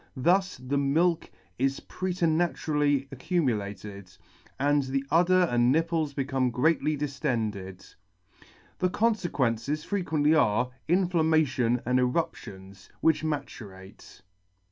Thus the milk is preternaturally accumulated, and the udder and nipples become greatly diftended. The confequences frequently are, inflamma tion and eruptions, which maturate.